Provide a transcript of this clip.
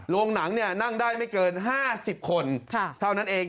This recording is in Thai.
โรงหนังนั่งได้ไม่เกิน๕๐คนเท่านั้นเอง